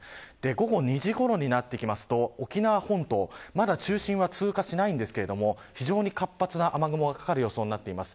午後２時ごろになってきますと沖縄本島、まだ中心は通過していないんですけれども非常に活発な雨雲がかかる予想になっています。